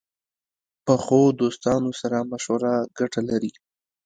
پخو دوستانو سره مشوره ګټه لري